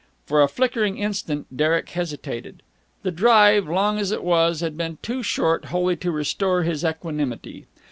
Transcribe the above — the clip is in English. For a flickering instant Derek hesitated. The drive, long as it was, had been too short wholly to restore his equanimity.